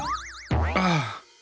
ああ。